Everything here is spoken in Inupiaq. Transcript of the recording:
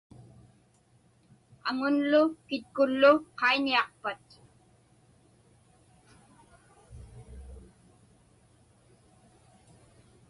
Aŋun kitkullu qaiñiaqpat?